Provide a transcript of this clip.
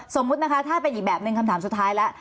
สมมุตินะคะถ้าเป็นอีกแบบหนึ่งคำถามสุดท้ายแล้ว